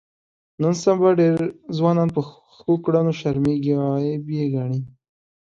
نن سبا ډېر ځوانان په ښو کړنو شرمېږي او عیب یې ګڼي.